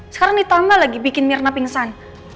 sekarang ditambah lagi bikin mirna pingsan